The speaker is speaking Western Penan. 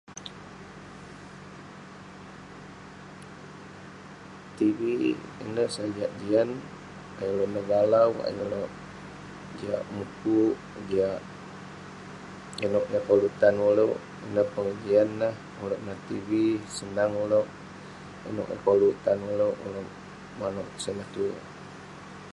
Tv ineh sajak jian. Ayuk ulouk nevalau, ayuk ulouk jiak mukuk jiak inouk neh koluk tan ulouk. Inouk Ineh pengejian neh [unintelligible] ngan tv. Senang ulouk inouk eh koluk tan ulouk manouk sineh tue.